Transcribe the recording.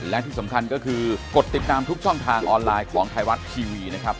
และที่สำคัญก็คือกดติดตามทุกช่องทางออนไลน์ของไทยรัฐทีวีนะครับ